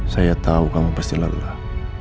saya tahu kamu pasti lelah